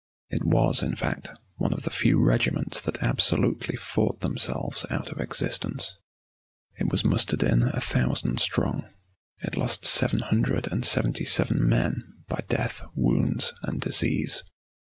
It was, in fact, one of the few regiments that absolutely fought themselves out of existence. It was mustered in a thousand strong; it lost seven hundred and seventy seven men by death, wounds, and disease.